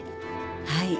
はい。